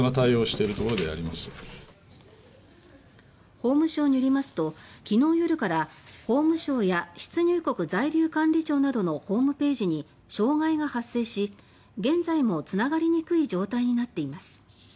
法務省によりますと昨日夜から法務省や出入国在留管理庁などのホームページに障害が発生し現在もつながりにくい状態になっています。